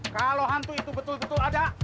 kalau hantu itu betul betul ada